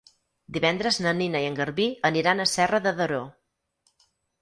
Divendres na Nina i en Garbí aniran a Serra de Daró.